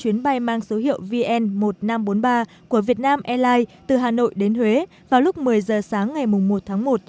chuyến bay mang số hiệu vn một nghìn năm trăm bốn mươi ba của việt nam airlines từ hà nội đến huế vào lúc một mươi giờ sáng ngày một tháng một